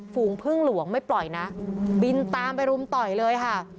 ฝูงพึ่งหลวงไม่ปล่อยนะบินตามไปรุมต่อยเลยค่ะ